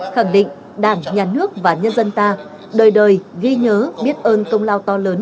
khẳng định đảng nhà nước và nhân dân ta đời đời ghi nhớ biết ơn công lao to lớn